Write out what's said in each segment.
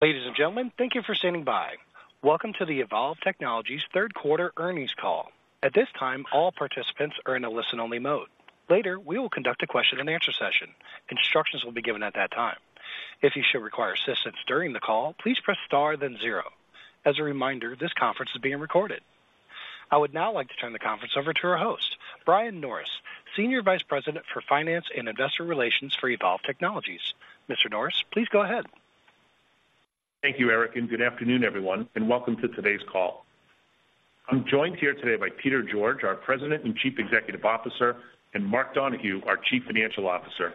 Ladies and gentlemen, thank you for standing by. Welcome to the Evolv Technologies third quarter earnings call. At this time, all participants are in a listen-only mode. Later, we will conduct a question and answer session. Instructions will be given at that time. If you should require assistance during the call, please press Star then zero. As a reminder, this conference is being recorded. I would now like to turn the conference over to our host, Brian Norris, Senior Vice President for Finance and Investor Relations for Evolv Technologies. Mr. Norris, please go ahead. Thank you, Eric, and good afternoon, everyone, and welcome to today's call. I'm joined here today by Peter George, our President and Chief Executive Officer, and Mark Donohue, our Chief Financial Officer.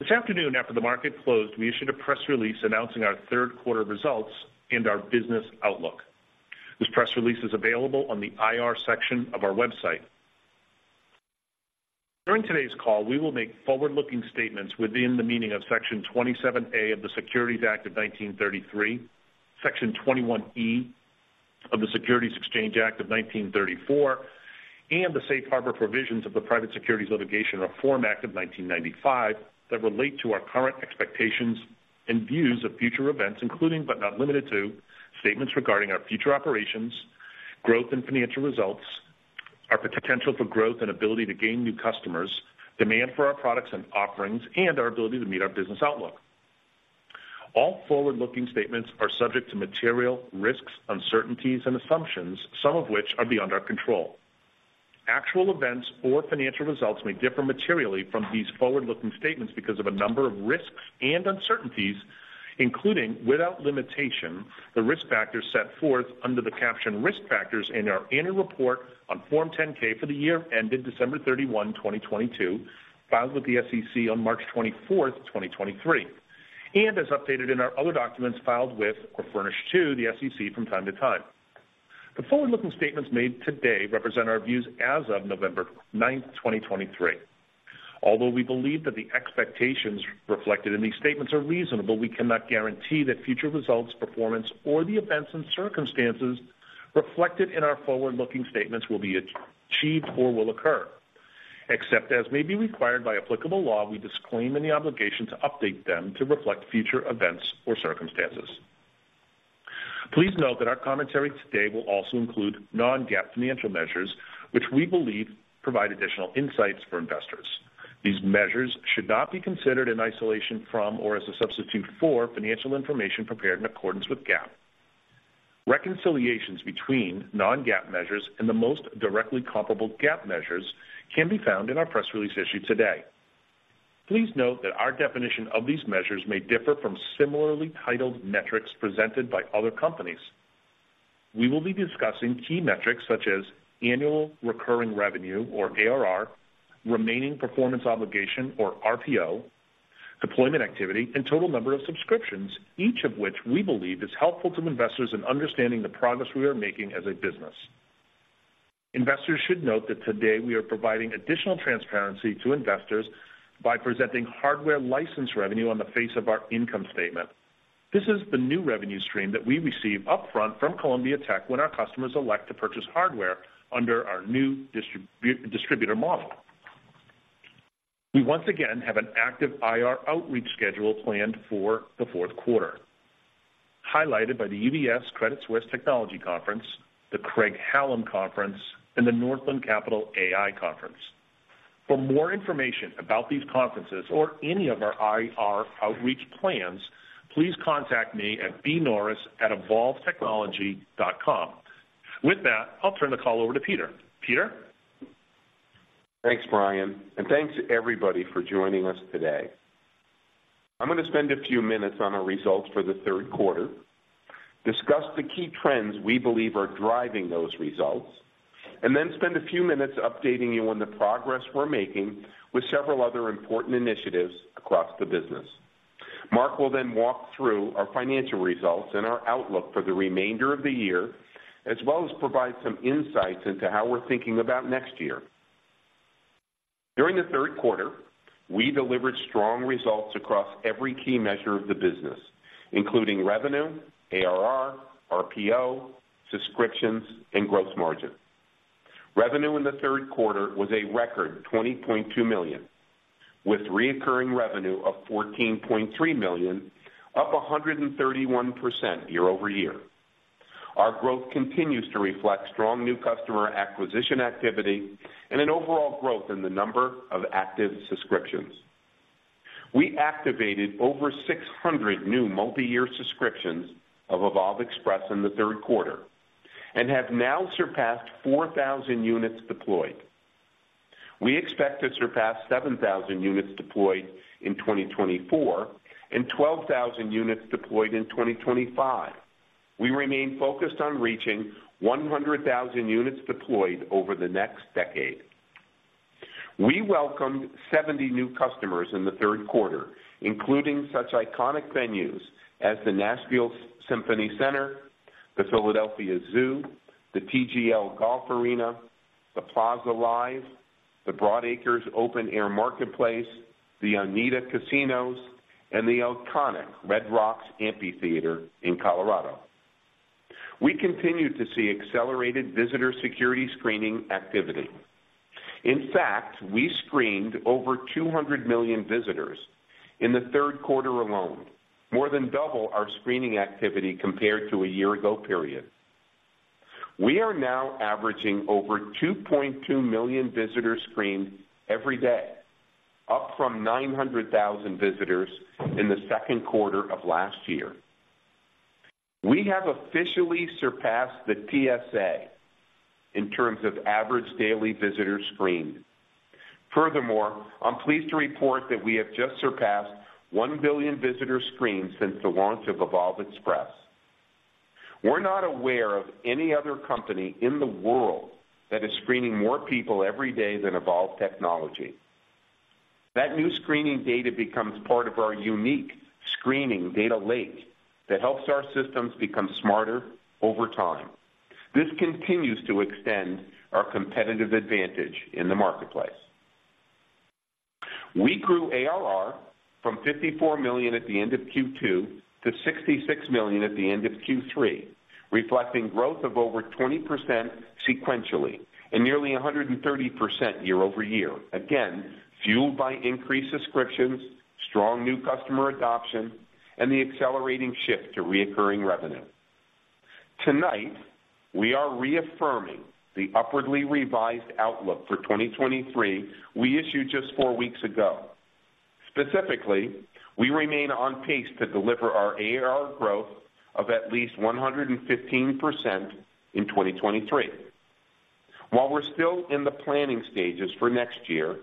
This afternoon, after the market closed, we issued a press release announcing our third quarter results and our business outlook. This press release is available on the IR section of our website. During today's call, we will make forward-looking statements within the meaning of Section 27a of the Securities Act of 1933, Section 21e of the Securities Exchange Act of 1934, and the safe harbor provisions of the Private Securities Litigation Reform Act of 1995 that relate to our current expectations and views of future events, including, but not limited to, statements regarding our future operations, growth and financial results, our potential for growth and ability to gain new customers, demand for our products and offerings, and our ability to meet our business outlook. All forward-looking statements are subject to material risks, uncertainties, and assumptions, some of which are beyond our control. Actual events or financial results may differ materially from these forward-looking statements because of a number of risks and uncertainties, including, without limitation, the risk factors set forth under the caption Risk Factors in our annual report on Form 10-K for the year ended December 31, 2022, filed with the SEC on March 24th, 2023, and as updated in our other documents filed with or furnished to the SEC from time to time. The forward-looking statements made today represent our views as of November 9th, 2023. Although we believe that the expectations reflected in these statements are reasonable, we cannot guarantee that future results, performance, or the events and circumstances reflected in our forward-looking statements will be achieved or will occur. Except as may be required by applicable law, we disclaim any obligation to update them to reflect future events or circumstances. Please note that our commentary today will also include non-GAAP financial measures, which we believe provide additional insights for investors. These measures should not be considered in isolation from or as a substitute for financial information prepared in accordance with GAAP. Reconciliations between non-GAAP measures and the most directly comparable GAAP measures can be found in our press release issued today. Please note that our definition of these measures may differ from similarly titled metrics presented by other companies. We will be discussing key metrics such as annual recurring revenue or ARR, remaining performance obligation or RPO, deployment activity, and total number of subscriptions, each of which we believe is helpful to investors in understanding the progress we are making as a business. Investors should note that today we are providing additional transparency to investors by presenting hardware license revenue on the face of our income statement. This is the new revenue stream that we receive upfront from Columbia Tech when our customers elect to purchase hardware under our new distributor model. We once again have an active IR outreach schedule planned for the fourth quarter, highlighted by the UBS Credit Suisse Technology Conference, the Craig-Hallum Conference, and the Northland Capital AI Conference. For more information about these conferences or any of our IR outreach plans, please contact me at bnorris@evolvtechnology.com. With that, I'll turn the call over to Peter. Peter? Thanks, Brian, and thanks to everybody for joining us today. I'm going to spend a few minutes on our results for the third quarter, discuss the key trends we believe are driving those results, and then spend a few minutes updating you on the progress we're making with several other important initiatives across the business. Mark will then walk through our financial results and our outlook for the remainder of the year, as well as provide some insights into how we're thinking about next year. During the third quarter, we delivered strong results across every key measure of the business, including revenue, ARR, RPO, subscriptions, and gross margin. Revenue in the third quarter was a record $20.2 million, with recurring revenue of $14.3 million, up 131% year-over-year. Our growth continues to reflect strong new customer acquisition activity and an overall growth in the number of active subscriptions. We activated over 600 new multiyear subscriptions of Evolv Express in the third quarter and have now surpassed 4,000 units deployed. We expect to surpass 7,000 units deployed in 2024 and 12,000 units deployed in 2025. We remain focused on reaching 100,000 units deployed over the next decade. We welcomed 70 new customers in the third quarter, including such iconic venues as the Nashville Symphony Center, the Philadelphia Zoo, the TGL Golf Arena, the Plaza Live, the Broadacres Open Air Marketplace, the Oneida Casinos, and the iconic Red Rocks Amphitheatre in Colorado. We continue to see accelerated visitor security screening activity. In fact, we screened over 200 million visitors in the third quarter alone, more than double our screening activity compared to a year ago period. We are now averaging over 2.2 million visitors screened every day, up from 900,000 visitors in the second quarter of last year. We have officially surpassed the TSA in terms of average daily visitors screened. Furthermore, I'm pleased to report that we have just surpassed 1 billion visitors screened since the launch of Evolv Express. We're not aware of any other company in the world that is screening more people every day than Evolv Technology. That new screening data becomes part of our unique screening data lake that helps our systems become smarter over time. This continues to extend our competitive advantage in the marketplace. We grew ARR from $54 million at the end of Q2 to $66 million at the end of Q3, reflecting growth of over 20% sequentially and nearly 130% year-over-year, again, fueled by increased subscriptions, strong new customer adoption, and the accelerating shift to recurring revenue. Tonight, we are reaffirming the upwardly revised outlook for 2023 we issued just four weeks ago. Specifically, we remain on pace to deliver our ARR growth of at least 115% in 2023. While we're still in the planning stages for next year,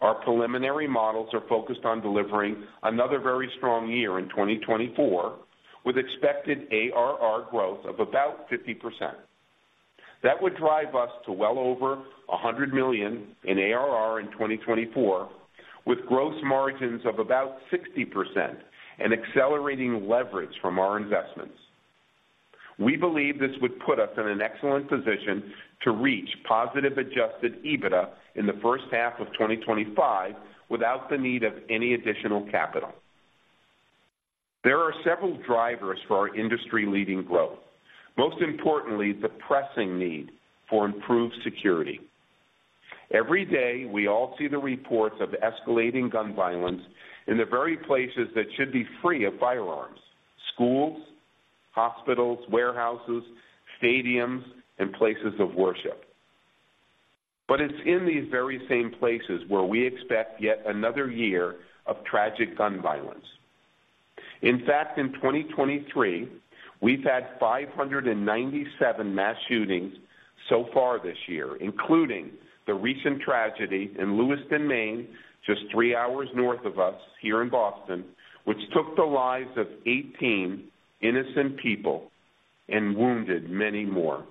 our preliminary models are focused on delivering another very strong year in 2024, with expected ARR growth of about 50%. That would drive us to well over $100 million in ARR in 2024, with gross margins of about 60% and accelerating leverage from our investments. We believe this would put us in an excellent position to reach positive Adjusted EBITDA in the first half of 2025 without the need of any additional capital. There are several drivers for our industry-leading growth, most importantly, the pressing need for improved security. Every day, we all see the reports of escalating gun violence in the very places that should be free of firearms: schools, hospitals, warehouses, stadiums, and places of worship. But it's in these very same places where we expect yet another year of tragic gun violence. In fact, in 2023, we've had 597 mass shootings so far this year, including the recent tragedy in Lewiston, Maine, just three hours north of us here in Boston, which took the lives of 18 innocent people and wounded many more.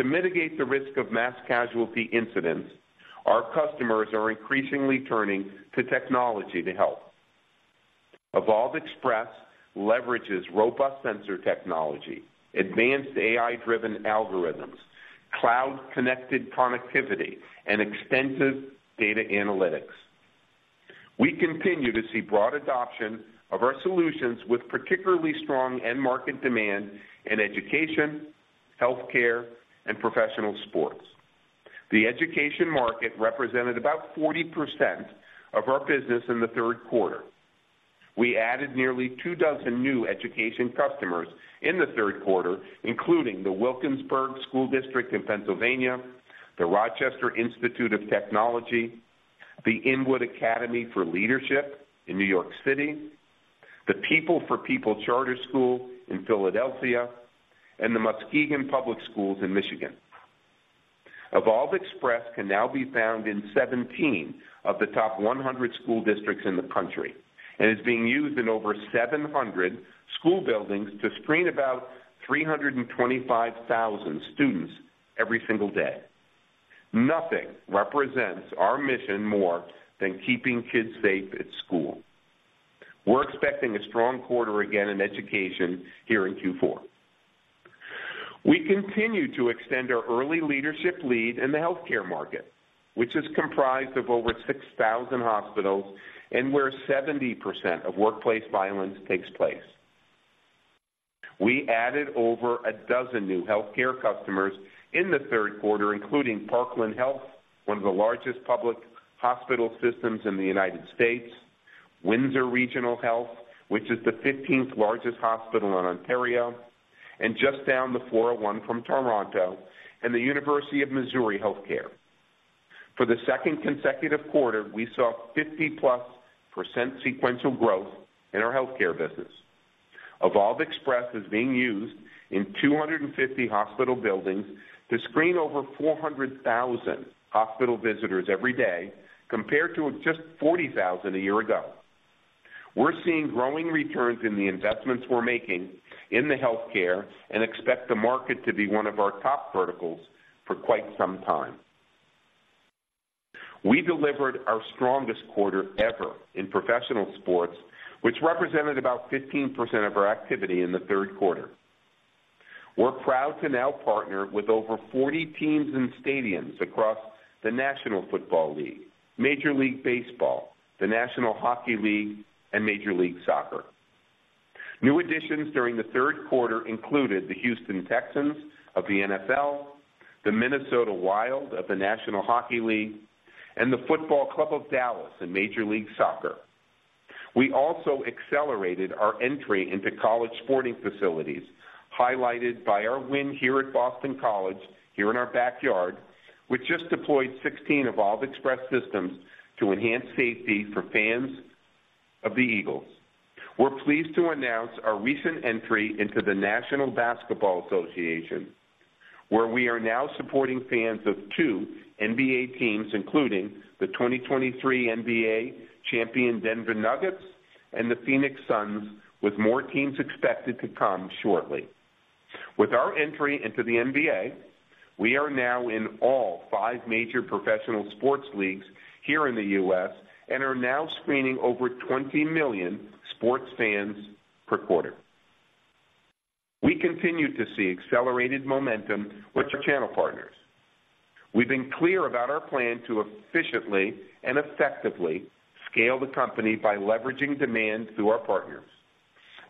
To mitigate the risk of mass casualty incidents, our customers are increasingly turning to technology to help. Evolv Express leverages robust sensor technology, advanced AI-driven algorithms, cloud-connected connectivity, and extensive data analytics. We continue to see broad adoption of our solutions with particularly strong end-market demand in education, healthcare, and professional sports. The education market represented about 40% of our business in the third quarter. We added nearly 24 new education customers in the third quarter, including the Wilkinsburg School District in Pennsylvania, the Rochester Institute of Technology, the Inwood Academy for Leadership in New York City, the People for People Charter School in Philadelphia, and the Muskegon Public Schools in Michigan. Evolv Express can now be found in 17 of the top 100 school districts in the country and is being used in over 700 school buildings to screen about 325,000 students every single day. Nothing represents our mission more than keeping kids safe at school. We're expecting a strong quarter again in education here in Q4. We continue to extend our early leadership lead in the healthcare market, which is comprised of over 6,000 hospitals and where 70% of workplace violence takes place. We added over a dozen new healthcare customers in the third quarter, including Parkland Health, one of the largest public hospital systems in the United States, Windsor Regional Health, which is the 15th largest hospital in Ontario, and just down the four oh one from Toronto, and the University of Missouri Healthcare. For the second consecutive quarter, we saw 50%+ sequential growth in our healthcare business. Evolv Express is being used in 250 hospital buildings to screen over 400,000 hospital visitors every day, compared to just 40,000 a year ago. We're seeing growing returns in the investments we're making in the healthcare and expect the market to be one of our top verticals for quite some time. We delivered our strongest quarter ever in professional sports, which represented about 15% of our activity in the third quarter. We're proud to now partner with over 40 teams and stadiums across the National Football League, Major League Baseball, the National Hockey League, and Major League Soccer. New additions during the third quarter included the Houston Texans of the NFL, the Minnesota Wild of the National Hockey League, and the Football Club of Dallas in Major League Soccer. We also accelerated our entry into college sporting facilities, highlighted by our win here at Boston College, here in our backyard, which just deployed 16 Evolv Express systems to enhance safety for fans of the Eagles. We're pleased to announce our recent entry into the National Basketball Association, where we are now supporting fans of two NBA teams, including the 2023 NBA champion, Denver Nuggets and the Phoenix Suns, with more teams expected to come shortly. With our entry into the NBA, we are now in all 5 major professional sports leagues here in the U.S., and are now screening over 20 million sports fans per quarter. We continue to see accelerated momentum with our channel partners. We've been clear about our plan to efficiently and effectively scale the company by leveraging demand through our partners.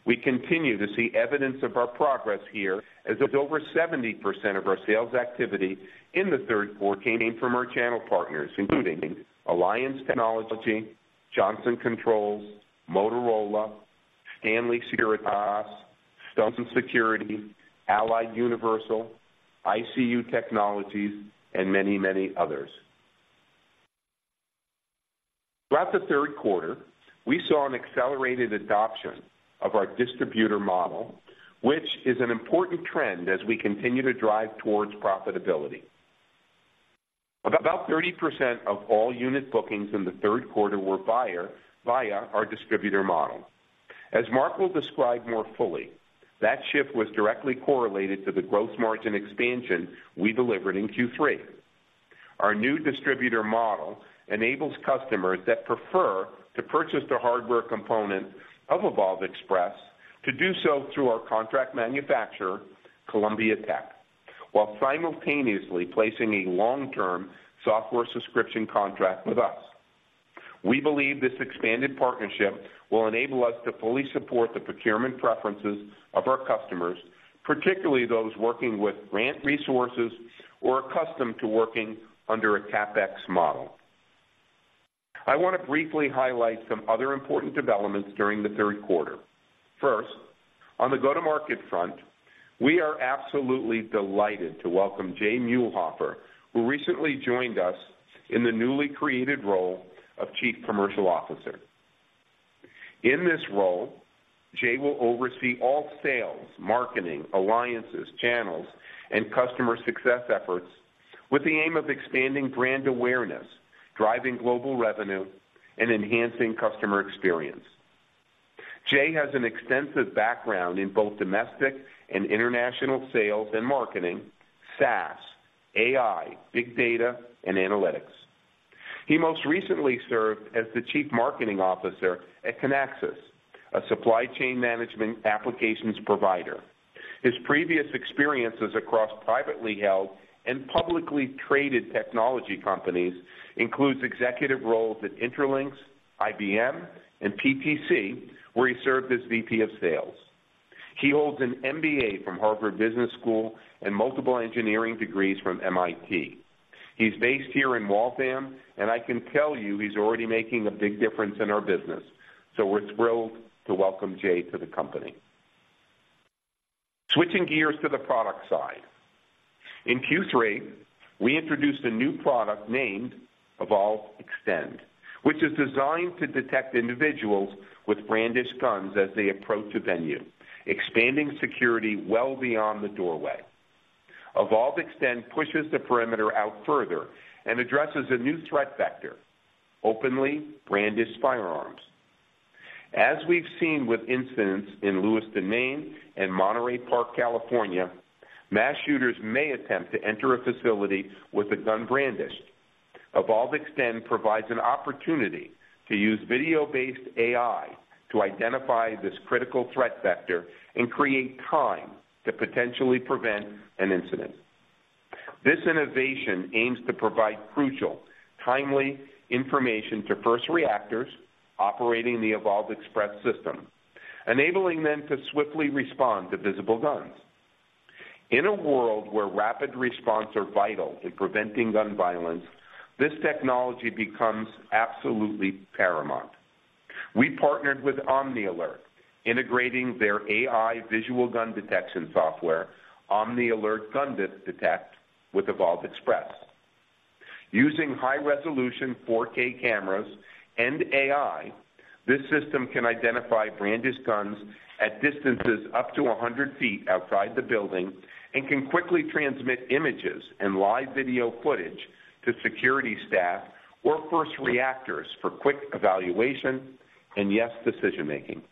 We continue to see evidence of our progress here, as over 70% of our sales activity in the third quarter came from our channel partners, including Alliance Technology, Johnson Controls, Motorola, Stanley Security, Stone Security, Allied Universal, ICU Technologies, and many, many others. Throughout the third quarter, we saw an accelerated adoption of our distributor model, which is an important trend as we continue to drive towards profitability. About 30% of all unit bookings in the third quarter were via our distributor model. As Mark will describe more fully, that shift was directly correlated to the gross margin expansion we delivered in Q3. Our new distributor model enables customers that prefer to purchase the hardware component of Evolv Express to do so through our contract manufacturer, Columbia Tech, while simultaneously placing a long-term software subscription contract with us. We believe this expanded partnership will enable us to fully support the procurement preferences of our customers, particularly those working with grant resources or accustomed to working under a CapEx model. I want to briefly highlight some other important developments during the third quarter. First, on the go-to-market front, we are absolutely delighted to welcome Jay Muelhoefer, who recently joined us in the newly created role of Chief Commercial Officer. In this role, Jay will oversee all sales, marketing, alliances, channels, and customer success efforts with the aim of expanding brand awareness, driving global revenue, and enhancing customer experience. Jay has an extensive background in both domestic and international sales and marketing, SaaS, AI, big data, and analytics. He most recently served as the Chief Marketing Officer at Kinaxis, a supply chain management applications provider. His previous experiences across privately held and publicly traded technology companies includes executive roles at Intralinks, IBM, and PTC, where he served as VP of sales. He holds an MBA from Harvard Business School and multiple engineering degrees from MIT. He's based here in Waltham, and I can tell you he's already making a big difference in our business, so we're thrilled to welcome Jay to the company. Switching gears to the product side. In Q3, we introduced a new product named Evolv Extend, which is designed to detect individuals with brandished guns as they approach a venue, expanding security well beyond the doorway. Evolv Extend pushes the perimeter out further and addresses a new threat vector, openly brandished firearms. As we've seen with incidents in Lewiston, Maine, and Monterey Park, California, mass shooters may attempt to enter a facility with a gun brandished. Evolv Extend provides an opportunity to use video-based AI to identify this critical threat vector and create time to potentially prevent an incident. This innovation aims to provide crucial, timely information to first responders operating the Evolv Express system, enabling them to swiftly respond to visible guns. In a world where rapid response are vital to preventing gun violence, this technology becomes absolutely paramount. We partnered with Omnilert, integrating their AI visual gun detection software, Omnilert Gun Detect, with Evolv Express. Using high-resolution 4K cameras and AI, this system can identify brandished guns at distances up to 100 feet outside the building and can quickly transmit images and live video footage to security staff or first responders for quick evaluation, and, yes, decision-making.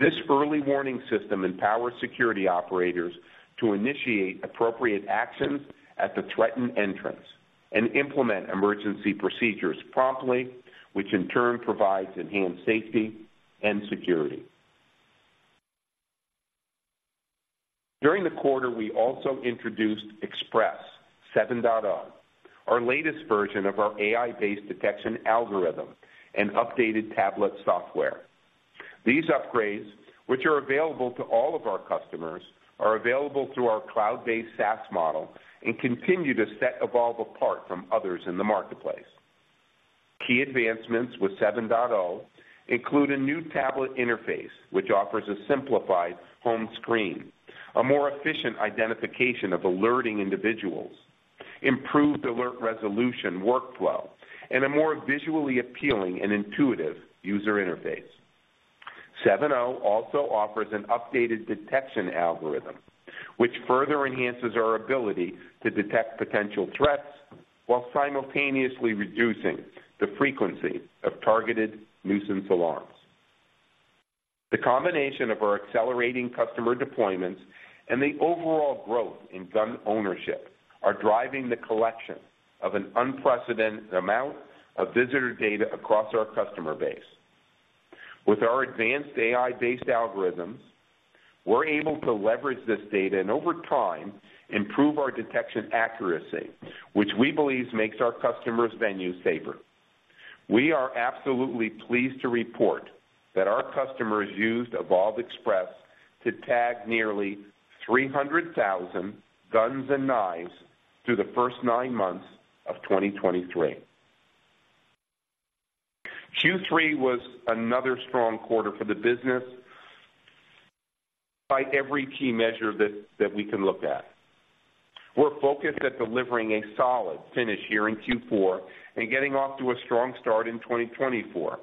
This early warning system empowers security operators to initiate appropriate actions at the threatened entrance and implement emergency procedures promptly, which in turn provides enhanced safety and security. During the quarter, we also introduced Express 7.0, our latest version of our AI-based detection algorithm and updated tablet software. These upgrades, which are available to all of our customers, are available through our cloud-based SaaS model and continue to set Evolv apart from others in the marketplace. Key advancements with 7.0 include a new tablet interface, which offers a simplified home screen, a more efficient identification of alerting individuals, improved alert resolution workflow, and a more visually appealing and intuitive user interface. 7.0 also offers an updated detection algorithm, which further enhances our ability to detect potential threats while simultaneously reducing the frequency of targeted nuisance alarms. The combination of our accelerating customer deployments and the overall growth in gun ownership are driving the collection of an unprecedented amount of visitor data across our customer base. With our advanced AI-based algorithms, we're able to leverage this data and over time, improve our detection accuracy, which we believe makes our customers' venues safer. We are absolutely pleased to report that our customers used Evolv Express to tag nearly 300,000 guns and knives through the first nine months of 2023. Q3 was another strong quarter for the business by every key measure that we can look at. We're focused at delivering a solid finish here in Q4 and getting off to a strong start in 2024.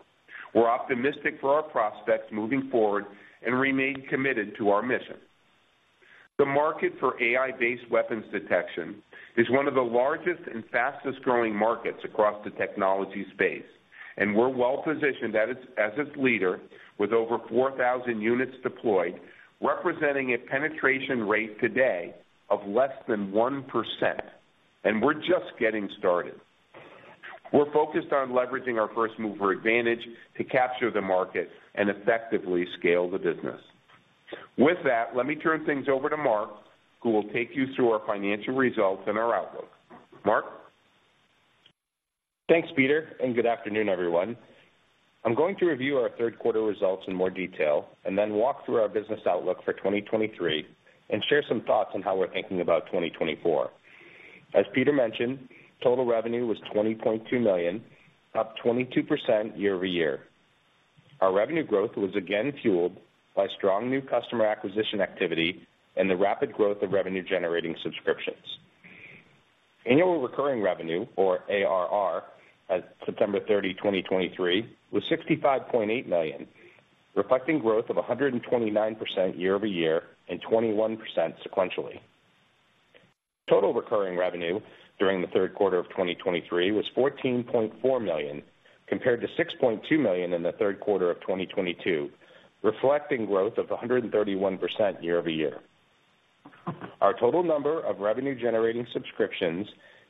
We're optimistic for our prospects moving forward and remain committed to our mission. The market for AI-based weapons detection is one of the largest and fastest-growing markets across the technology space, and we're well positioned as its leader, with over 4,000 units deployed, representing a penetration rate today of less than 1%, and we're just getting started. We're focused on leveraging our first-mover advantage to capture the market and effectively scale the business. With that, let me turn things over to Mark, who will take you through our financial results and our outlook. Mark? Thanks, Peter, and good afternoon, everyone. I'm going to review our third quarter results in more detail and then walk through our business outlook for 2023 and share some thoughts on how we're thinking about 2024. As Peter mentioned, total revenue was $20.2 million, up 22% year-over-year. Our revenue growth was again fueled by strong new customer acquisition activity and the rapid growth of revenue-generating subscriptions. Annual recurring revenue, or ARR, as of September 30, 2023, was $65.8 million, reflecting growth of 129% year-over-year and 21% sequentially. Total recurring revenue during the third quarter of 2023 was $14.4 million, compared to $6.2 million in the third quarter of 2022, reflecting growth of 131% year-over-year. Our total number of revenue-generating subscriptions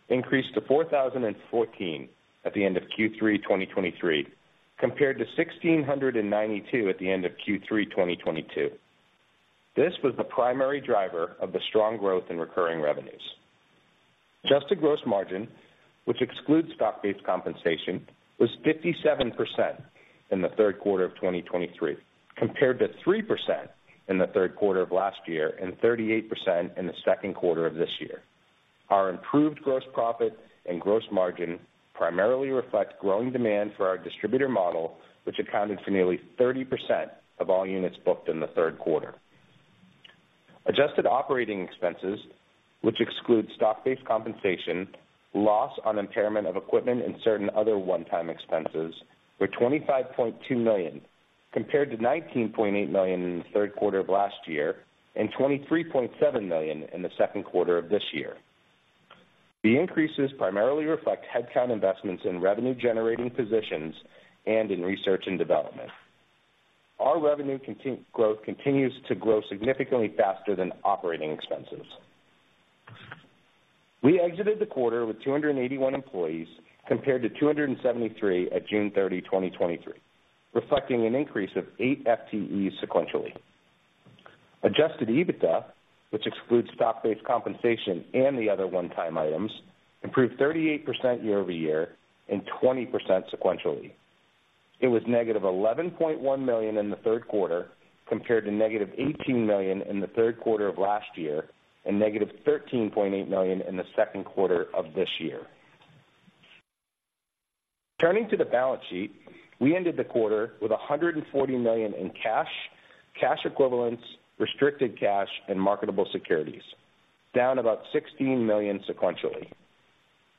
increased to 4,014 at the end of Q3 2023, compared to 1,692 at the end of Q3 2022. This was the primary driver of the strong growth in recurring revenues. Adjusted gross margin, which excludes stock-based compensation, was 57% in the third quarter of 2023, compared to 3% in the third quarter of last year and 38% in the second quarter of this year. Our improved gross profit and gross margin primarily reflect growing demand for our distributor model, which accounted for nearly 30% of all units booked in the third quarter. Adjusted operating expenses, which exclude stock-based compensation, loss on impairment of equipment and certain other one-time expenses, were $25.2 million, compared to $19.8 million in the third quarter of last year and $23.7 million in the second quarter of this year. The increases primarily reflect headcount investments in revenue-generating positions and in research and development. Our revenue growth continues to grow significantly faster than operating expenses. We exited the quarter with 281 employees, compared to 273 at June 30, 2023, reflecting an increase of eight FTE sequentially. Adjusted EBITDA, which excludes stock-based compensation and the other one-time items, improved 38% year-over-year and 20% sequentially. It was -$11.1 million in the third quarter, compared to -$18 million in the third quarter of last year and -$13.8 million in the second quarter of this year. Turning to the balance sheet, we ended the quarter with $140 million in cash, cash equivalents, restricted cash, and marketable securities, down about $16 million sequentially,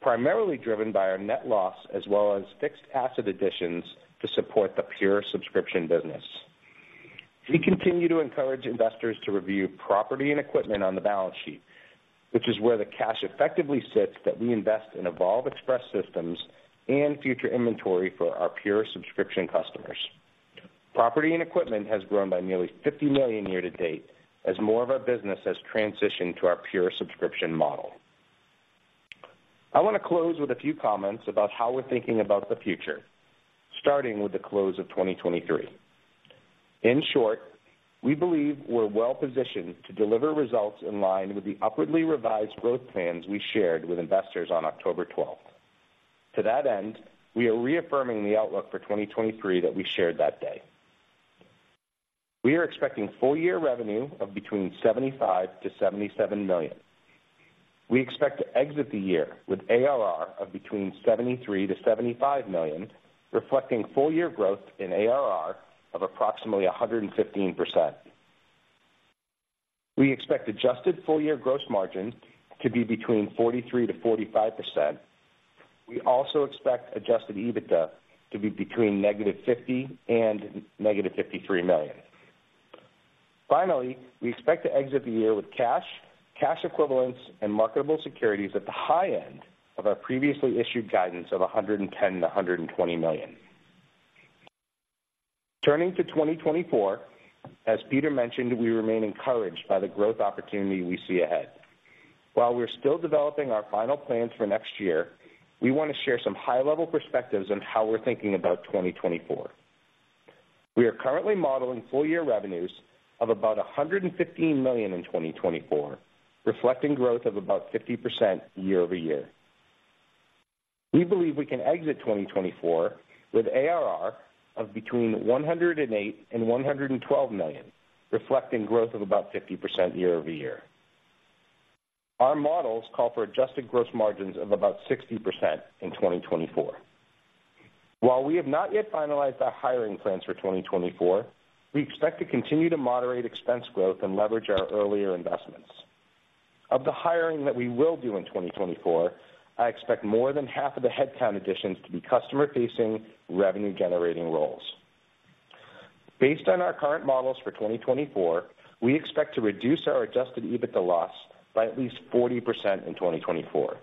primarily driven by our net loss as well as fixed asset additions to support the pure subscription business. We continue to encourage investors to review property and equipment on the balance sheet, which is where the cash effectively sits, that we invest in Evolv Express systems and future inventory for our pure subscription customers. Property and equipment has grown by nearly $50 million year to date, as more of our business has transitioned to our pure subscription model. I want to close with a few comments about how we're thinking about the future, starting with the close of 2023. In short, we believe we're well positioned to deliver results in line with the upwardly revised growth plans we shared with investors on October 12. To that end, we are reaffirming the outlook for 2023 that we shared that day. We are expecting full year revenue of between $75 million-$77 million. We expect to exit the year with ARR of between $73 million-$75 million, reflecting full year growth in ARR of approximately 115%. We expect adjusted full year gross margin to be between 43%-45%. We also expect adjusted EBITDA to be between -$50 million and -$53 million. Finally, we expect to exit the year with cash, cash equivalents, and marketable securities at the high end of our previously issued guidance of $110 million-$120 million. Turning to 2024, as Peter mentioned, we remain encouraged by the growth opportunity we see ahead. While we're still developing our final plans for next year, we want to share some high-level perspectives on how we're thinking about 2024. We are currently modeling full year revenues of about $115 million in 2024, reflecting growth of about 50% year-over-year. We believe we can exit 2024 with ARR of between $108 million and $112 million, reflecting growth of about 50% year-over-year. Our models call for adjusted gross margins of about 60% in 2024. While we have not yet finalized our hiring plans for 2024, we expect to continue to moderate expense growth and leverage our earlier investments. Of the hiring that we will do in 2024, I expect more than half of the headcount additions to be customer-facing, revenue-generating roles. Based on our current models for 2024, we expect to reduce our adjusted EBITDA loss by at least 40% in 2024.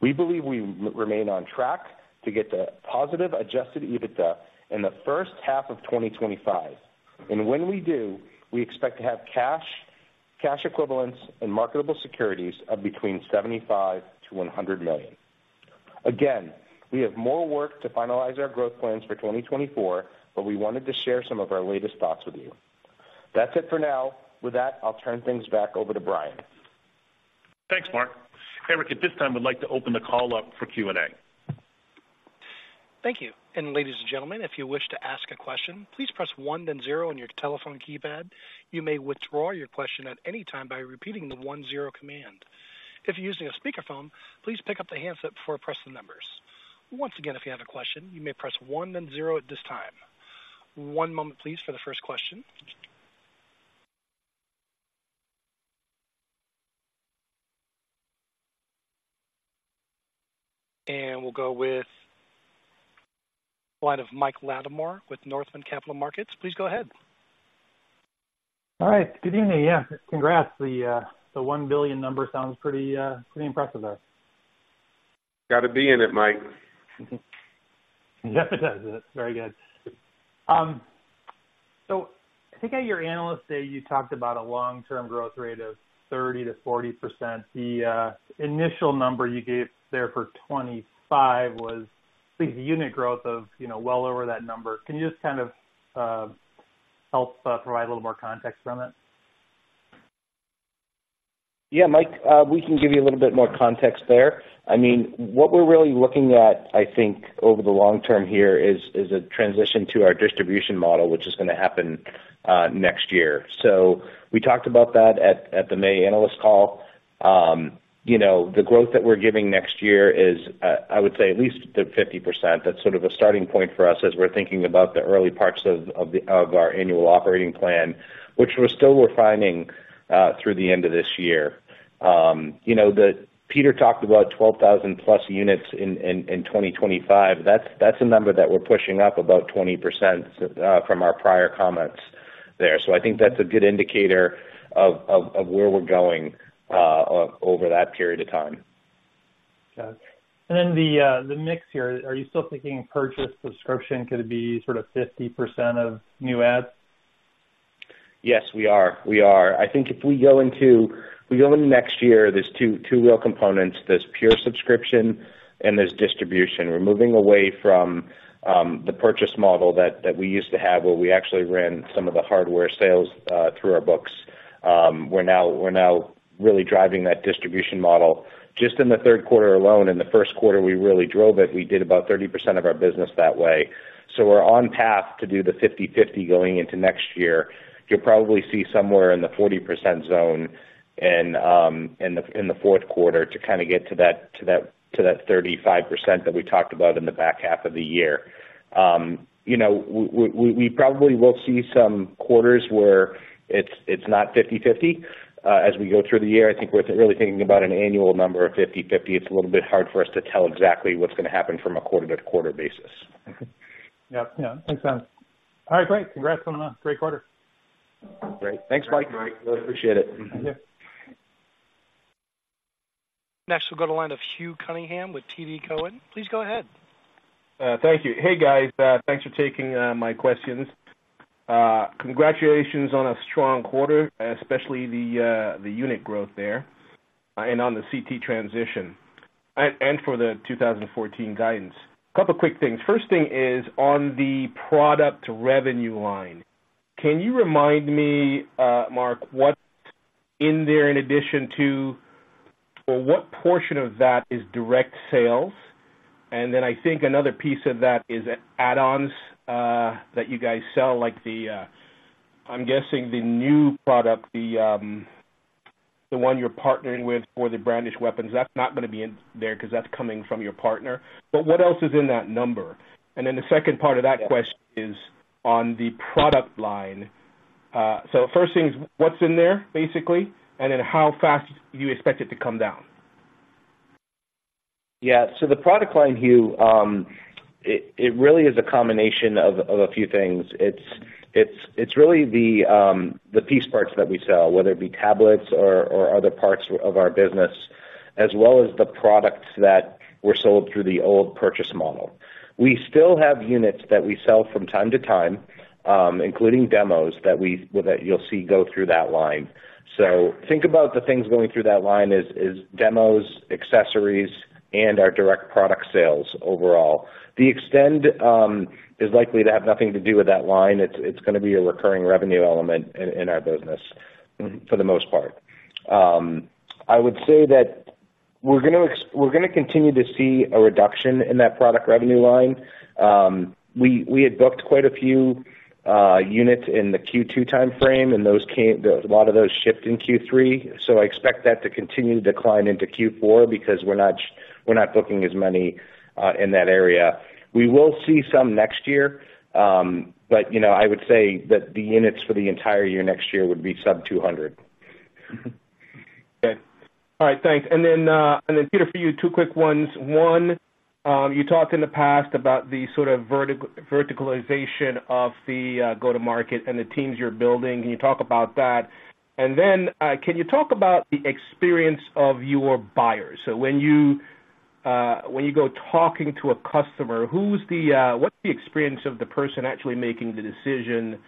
We believe we remain on track to get to positive adjusted EBITDA in the first half of 2025, and when we do, we expect to have cash, cash equivalents, and marketable securities of between $75 million-$100 million. Again, we have more work to finalize our growth plans for 2024, but we wanted to share some of our latest thoughts with you. That's it for now. With that, I'll turn things back over to Brian. Thanks, Mark. Eric, at this time, we'd like to open the call up for Q&A. Thank you. And ladies and gentlemen, if you wish to ask a question, please press one then zero on your telephone keypad. You may withdraw your question at any time by repeating the one-zero command. If you're using a speakerphone, please pick up the handset before pressing the numbers. Once again, if you have a question, you may press one then zero at this time. One moment please for the first question. And we'll go with line of Mike Latimore with Northland Capital Markets. Please go ahead. All right. Good evening. Yeah, congrats. The, the 1 billion number sounds pretty, pretty impressive there. Gotta be in it, Mike. Yep, it does. Very good. So I think at your analyst day, you talked about a long-term growth rate of 30%-40%. The initial number you gave there for 25 was, I think, the unit growth of, you know, well over that number. Can you just kind of help provide a little more context on it? Yeah, Mike, we can give you a little bit more context there. I mean, what we're really looking at, I think, over the long term here is a transition to our distribution model, which is gonna happen next year. So we talked about that at the May analyst call. You know, the growth that we're giving next year is, I would say, at least 50%. That's sort of a starting point for us as we're thinking about the early parts of our annual operating plan, which we're still refining through the end of this year. You know, Peter talked about 12,000+ units in 2025. That's a number that we're pushing up about 20% from our prior comments there. So I think that's a good indicator of where we're going over that period of time. Got it. And then the mix here, are you still thinking purchase subscription could be sort of 50% of new adds? Yes, we are. We are. I think if we go into, we go into next year, there's two, two real components: there's pure subscription and there's distribution. We're moving away from, the purchase model that, that we used to have, where we actually ran some of the hardware sales, through our books. We're now, we're now really driving that distribution model. Just in the third quarter alone, in the first quarter, we really drove it. We did about 30% of our business that way. So we're on path to do the 50/50 going into next year. You'll probably see somewhere in the 40% zone in, in the, in the fourth quarter to kind of get to that, to that, to that 35% that we talked about in the back half of the year. You know, we probably will see some quarters where it's not 50/50. As we go through the year, I think we're really thinking about an annual number of 50/50. It's a little bit hard for us to tell exactly what's gonna happen from a quarter-to-quarter basis. Okay. Yep. Yeah, makes sense. All right, great. Congrats on a great quarter. Great. Thanks, Mike. Thanks, Mike. Really appreciate it. Mm-hmm.... Next, we'll go to line of Hugh Cunningham with TD Cowen. Please go ahead. Thank you. Hey, guys, thanks for taking my questions. Congratulations on a strong quarter, especially the unit growth there, and on the CT transition, and for the 2014 guidance. A couple of quick things. First thing is on the product revenue line, can you remind me, Mark, what's in there in addition to or what portion of that is direct sales? And then I think another piece of that is add-ons that you guys sell, like the, I'm guessing the new product, the one you're partnering with for the brandish weapons. That's not gonna be in there because that's coming from your partner. But what else is in that number? And then the second part of that question is on the product line. First thing is, what's in there, basically, and then how fast do you expect it to come down? Yeah. So the product line, Hugh, it really is a combination of a few things. It's really the piece parts that we sell, whether it be tablets or other parts of our business, as well as the products that were sold through the old purchase model. We still have units that we sell from time to time, including demos that you'll see go through that line. So think about the things going through that line as demos, accessories, and our direct product sales overall. The Extend is likely to have nothing to do with that line. It's gonna be a recurring revenue element in our business for the most part. I would say that we're gonna continue to see a reduction in that product revenue line. We had booked quite a few units in the Q2 timeframe, and a lot of those shipped in Q3, so I expect that to continue to decline into Q4 because we're not booking as many in that area. We will see some next year, but, you know, I would say that the units for the entire year next year would be sub-200. Okay. All right, thanks. And then, Peter, for you, two quick ones. One, you talked in the past about the sort of verticalization of the go-to-market and the teams you're building. Can you talk about that? And then, can you talk about the experience of your buyers? So when you go talking to a customer, who's the, what's the experience of the person actually making the decision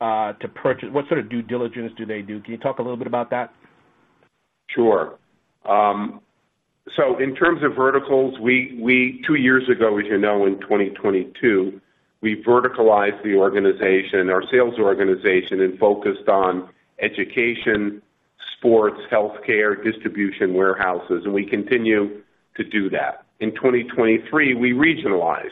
to purchase? What sort of due diligence do they do? Can you talk a little bit about that? Sure. So in terms of verticals, we two years ago, as you know, in 2022, we verticalized the organization, our sales organization, and focused on education, sports, healthcare, distribution warehouses, and we continue to do that. In 2023, we regionalized.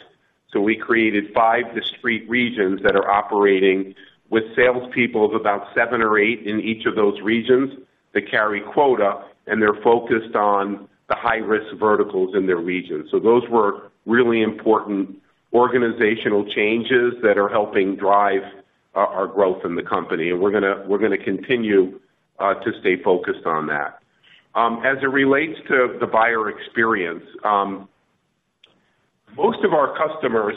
So we created five discrete regions that are operating with salespeople of about seven or eight in each of those regions that carry quota, and they're focused on the high-risk verticals in their region. So those were really important organizational changes that are helping drive our growth in the company, and we're gonna continue to stay focused on that. As it relates to the buyer experience, most of our customers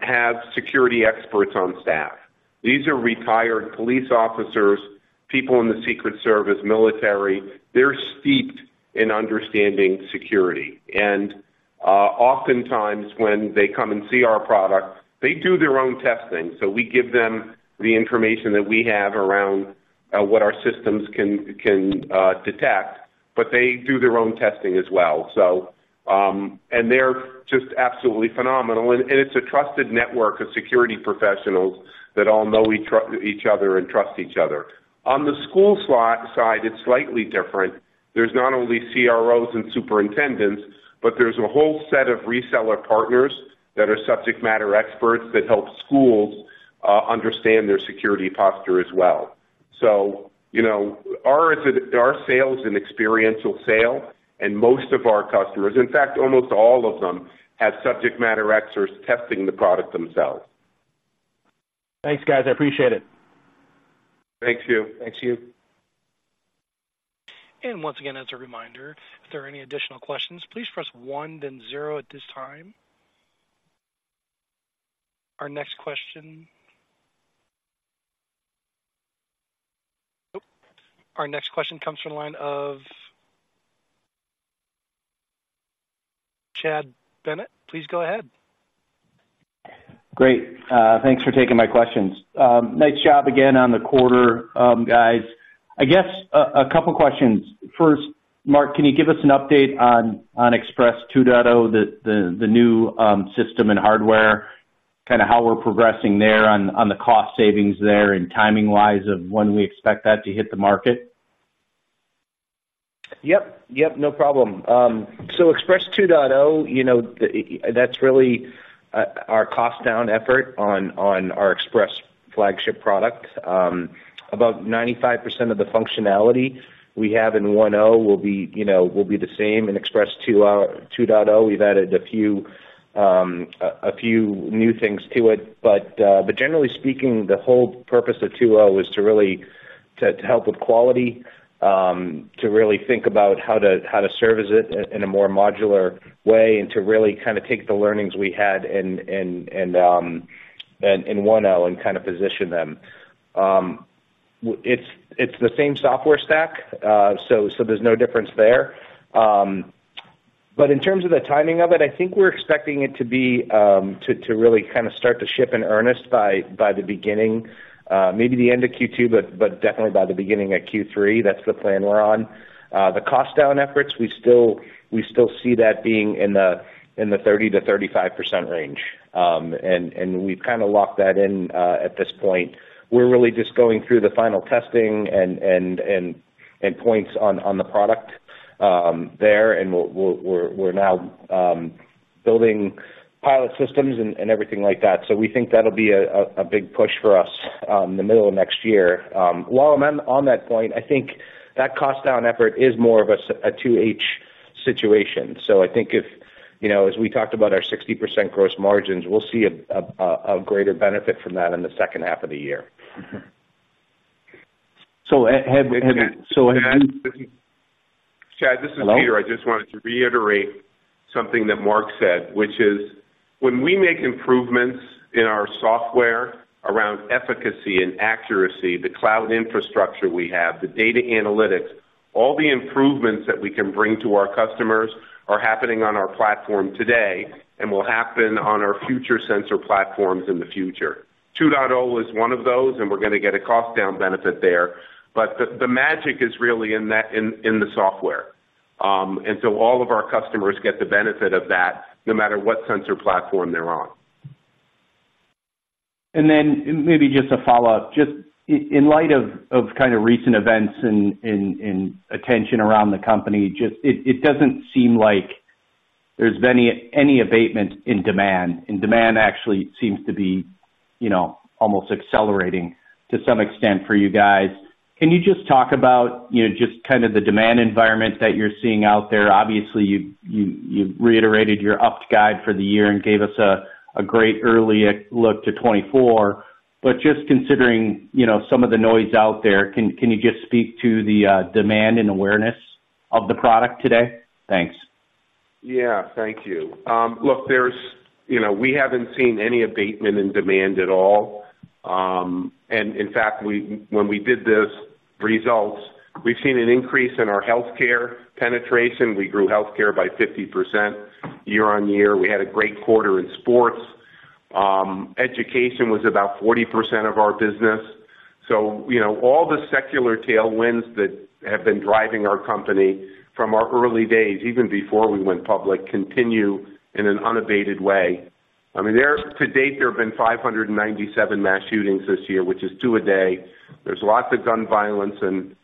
have security experts on staff. These are retired police officers, people in the Secret Service, military. They're steeped in understanding security. Oftentimes, when they come and see our product, they do their own testing. So we give them the information that we have around what our systems can detect, but they do their own testing as well. So they're just absolutely phenomenal, and it's a trusted network of security professionals that all know each other and trust each other. On the school side, it's slightly different. There's not only CROs and superintendents, but there's a whole set of reseller partners that are subject matter experts that help schools understand their security posture as well. So, you know, our sales is an experiential sale, and most of our customers, in fact, almost all of them, have subject matter experts testing the product themselves. Thanks, guys. I appreciate it. Thanks, Hugh. Thanks, Hugh. Once again, as a reminder, if there are any additional questions, please press one then zero at this time. Our next question comes from the line of Chad Bennett. Please go ahead. Great. Thanks for taking my questions. Nice job again on the quarter, guys. I guess a couple questions. First, Mark, can you give us an update on Express 2.0, the new system and hardware, kind of how we're progressing there on the cost savings there, and timing-wise, of when we expect that to hit the market? Yep, yep, no problem. So Express 2.0, you know, that's really our cost down effort on our Express flagship product. About 95% of the functionality we have in 1.0 will be, you know, will be the same in Express 2.0, 2.0. We've added a few new things to it. But generally speaking, the whole purpose of 2.0 is to really help with quality, to really think about how to service it in a more modular way, and to really kind of take the learnings we had in 1.0 and kind of position them. Well, it's the same software stack, so there's no difference there. But in terms of the timing of it, I think we're expecting it to be to really kind of start to ship in earnest by the beginning, maybe the end of Q2, but definitely by the beginning of Q3. That's the plan we're on. The cost down efforts, we still see that being in the 30%-35% range. And we've kind of locked that in at this point. We're really just going through the final testing and points on the product there, and we're now building pilot systems and everything like that. So we think that'll be a big push for us in the middle of next year. While I'm on that point, I think that cost down effort is more of a 2H situation. So I think if, you know, as we talked about our 60% gross margins, we'll see a greater benefit from that in the second half of the year. So have Chad, Chad. Hello? Chad, this is Peter. I just wanted to reiterate something that Mark said, which is, when we make improvements in our software around efficacy and accuracy, the cloud infrastructure we have, the data analytics, all the improvements that we can bring to our customers are happening on our platform today and will happen on our future sensor platforms in the future. 2.0 is one of those, and we're gonna get a cost down benefit there. But the magic is really in that, in the software. And so all of our customers get the benefit of that, no matter what sensor platform they're on. And then maybe just a follow-up. Just in light of kind of recent events and attention around the company, just it doesn't seem like there's been any abatement in demand, and demand actually seems to be, you know, almost accelerating to some extent for you guys. Can you just talk about, you know, just kind of the demand environment that you're seeing out there? Obviously, you've reiterated your upped guide for the year and gave us a great early look to 2024. But just considering, you know, some of the noise out there, can you just speak to the demand and awareness of the product today? Thanks. Yeah. Thank you. Look, there's, you know, we haven't seen any abatement in demand at all. And in fact, when we did this results, we've seen an increase in our healthcare penetration. We grew healthcare by 50% year-on-year. We had a great quarter in sports. Education was about 40% of our business. So, you know, all the secular tailwinds that have been driving our company from our early days, even before we went public, continue in an unabated way. I mean, to date, there have been 597 mass shootings this year, which is two a day. There's lots of gun violence and,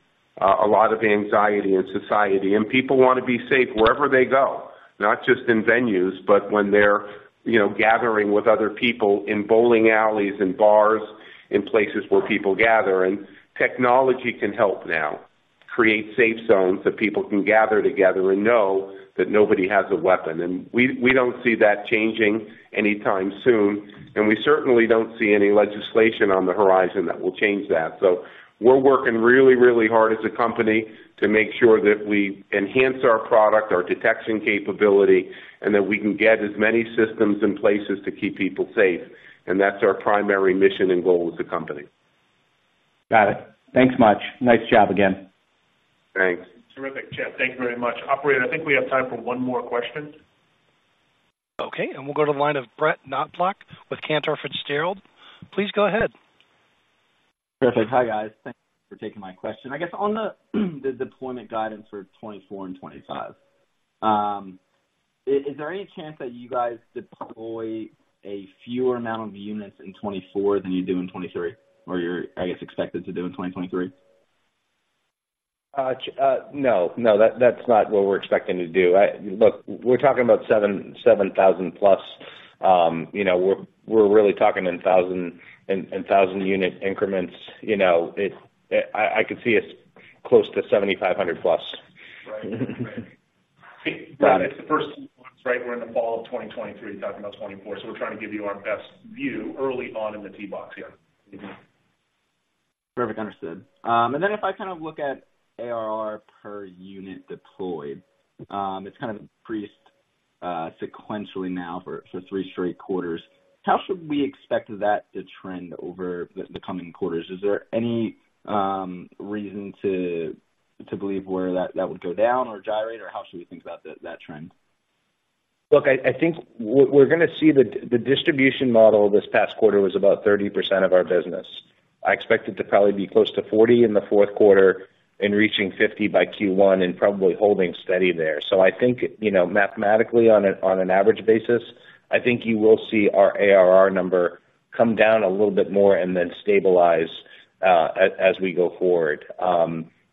a lot of anxiety in society, and people want to be safe wherever they go, not just in venues, but when they're, you know, gathering with other people in bowling alleys and bars, in places where people gather, and technology can help now create safe zones that people can gather together and know that nobody has a weapon. And we, we don't see that changing anytime soon, and we certainly don't see any legislation on the horizon that will change that. So we're working really, really hard as a company to make sure that we enhance our product, our detection capability, and that we can get as many systems in places to keep people safe, and that's our primary mission and goal as a company. Got it. Thanks much. Nice job again. Thanks. Terrific, Chad. Thank you very much. Operator, I think we have time for one more question. Okay, and we'll go to the line of Brett Knoblauch with Cantor Fitzgerald. Please go ahead. Perfect. Hi, guys. Thanks for taking my question. I guess, on the deployment guidance for 2024 and 2025, is there any chance that you guys deploy a fewer amount of units in 2024 than you do in 2023, or you're, I guess, expected to do in 2023? No, no, that's not what we're expecting to do. Look, we're talking about 7,000+. You know, we're really talking in thousand unit increments. You know, I could see us close to 7,500+. Right. Right. Got it. It's the first two months, right? We're in the fall of 2023, talking about 2024, so we're trying to give you our best view early on in the tee box here. Mm-hmm. Perfect, understood. And then if I kind of look at ARR per unit deployed, it's kind of increased sequentially now for, for three straight quarters. How should we expect that to trend over the, the coming quarters? Is there any reason to believe where that, that would go down or gyrate, or how should we think about that, that trend? Look, I think we're gonna see the distribution model this past quarter was about 30% of our business. I expect it to probably be close to 40 in the fourth quarter and reaching 50 by Q1 and probably holding steady there. So I think, you know, mathematically on an average basis, I think you will see our ARR number come down a little bit more and then stabilize, as we go forward.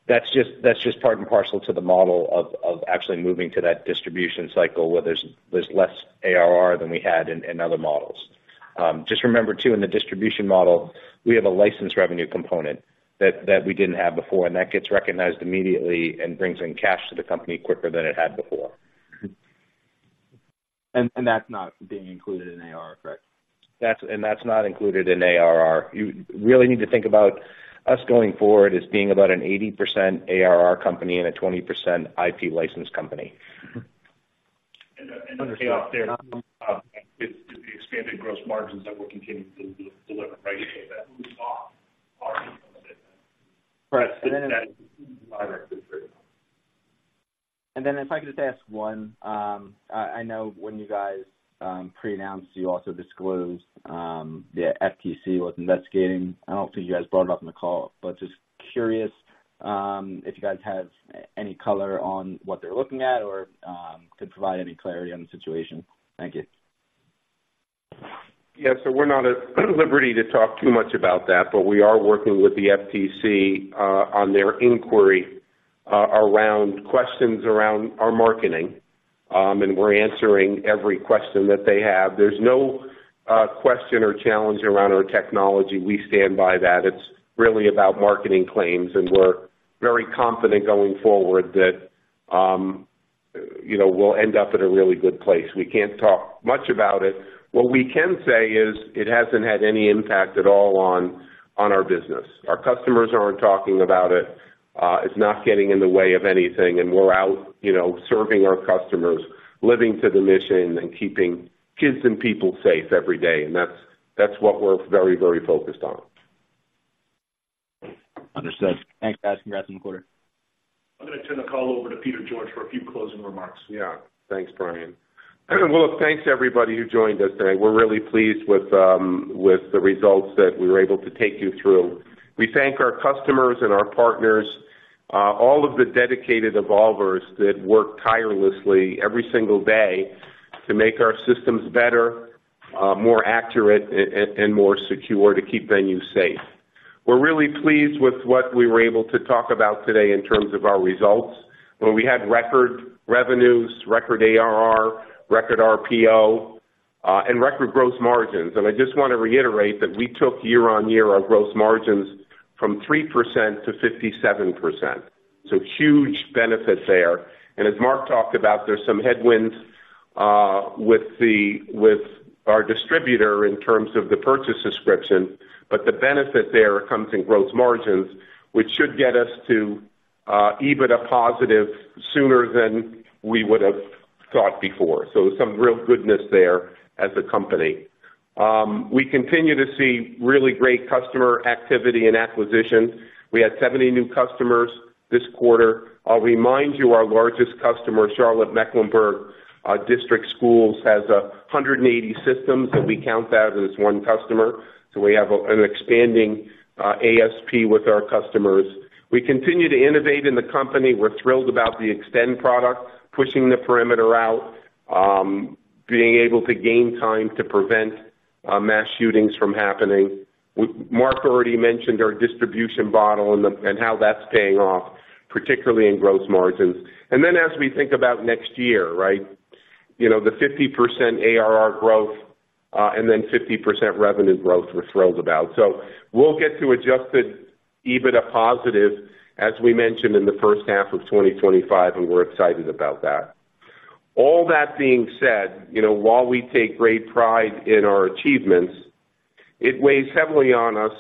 That's just part and parcel to the model of actually moving to that distribution cycle, where there's less ARR than we had in other models. Just remember, too, in the distribution model, we have a license revenue component that we didn't have before, and that gets recognized immediately and brings in cash to the company quicker than it had before. And that's not being included in ARR, correct? That's not included in ARR. You really need to think about us going forward as being about an 80% ARR company and a 20% IP license company.... And the payoff there is the expanded gross margins that we're continuing to deliver, right? That we saw are limited. Correct. And then if I could just ask one, I know when you guys pre-announced, you also disclosed the FTC was investigating. I don't think you guys brought it up on the call, but just curious if you guys have any color on what they're looking at or could provide any clarity on the situation. Thank you. Yeah, so we're not at liberty to talk too much about that, but we are working with the FTC on their inquiry around questions around our marketing. And we're answering every question that they have. There's no question or challenge around our technology. We stand by that. It's really about marketing claims, and we're very confident going forward that, you know, we'll end up in a really good place. We can't talk much about it. What we can say is it hasn't had any impact at all on our business. Our customers aren't talking about it, it's not getting in the way of anything, and we're out, you know, serving our customers, living to the mission, and keeping kids and people safe every day, and that's what we're very, very focused on. Understood. Thanks, guys. Congrats on the quarter. I'm gonna turn the call over to Peter George for a few closing remarks. Yeah. Thanks, Brian. Well, look, thanks to everybody who joined us today. We're really pleased with the results that we were able to take you through. We thank our customers and our partners, all of the dedicated Evolvers that work tirelessly every single day to make our systems better, more accurate, and more secure to keep venues safe. We're really pleased with what we were able to talk about today in terms of our results, where we had record revenues, record ARR, record RPO, and record gross margins. And I just want to reiterate that we took year-on-year our gross margins from 3% to 57%. So huge benefit there. As Mark talked about, there's some headwinds with our distributor in terms of the purchase subscription, but the benefit there comes in gross margins, which should get us to EBITDA positive sooner than we would have thought before. So some real goodness there as a company. We continue to see really great customer activity and acquisition. We had 70 new customers this quarter. I'll remind you, our largest customer, Charlotte-Mecklenburg District Schools, has 180 systems, and we count that as one customer, so we have an expanding ASP with our customers. We continue to innovate in the company. We're thrilled about the Extend product, pushing the perimeter out, being able to gain time to prevent mass shootings from happening. Mark already mentioned our distribution model and how that's paying off, particularly in gross margins. Then as we think about next year, right? You know, the 50% ARR growth, and then 50% revenue growth, we're thrilled about. We'll get to adjusted EBITDA positive, as we mentioned, in the first half of 2025, and we're excited about that. All that being said, you know, while we take great pride in our achievements, it weighs heavily on us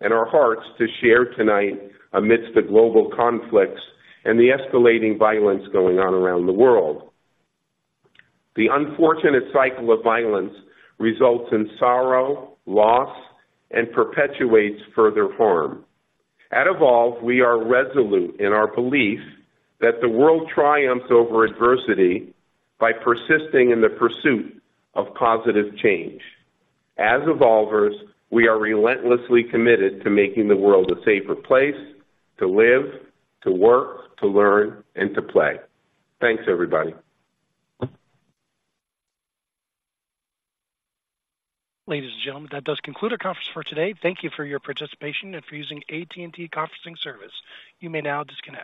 and our hearts to share tonight amidst the global conflicts and the escalating violence going on around the world. The unfortunate cycle of violence results in sorrow, loss, and perpetuates further harm. At Evolv, we are resolute in our belief that the world triumphs over adversity by persisting in the pursuit of positive change. As Evolvers, we are relentlessly committed to making the world a safer place to live, to work, to learn, and to play. Thanks, everybody. Ladies and gentlemen, that does conclude our conference for today. Thank you for your participation and for using AT&T conferencing service. You may now disconnect.